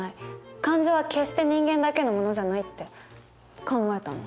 感情は決して人間だけのものじゃない」って考えたの。